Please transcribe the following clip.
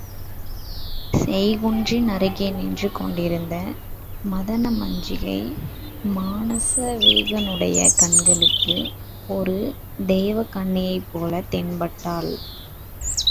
செய்குன்றின் அருகே நின்று கொண்டிருந்த மதனமஞ்சிகை, மானசவேகனுடைய கண்களுக்கு ஒரு தேவகன்னிகை போலத் தென்பட்டாள்.